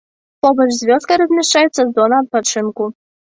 Побач з вёскай размяшчаецца зона адпачынку.